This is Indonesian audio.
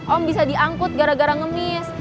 om bisa diangkut gara gara ngemis